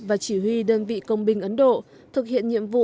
và chỉ huy đơn vị công binh ấn độ thực hiện nhiệm vụ